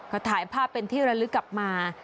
ก็ถ่ายภาพเป็นที่ระลึกกลับมา